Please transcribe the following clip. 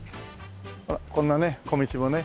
ほらこんなね小道もね。